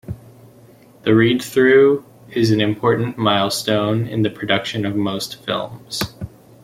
The read-through is an important milestone in the production of most films.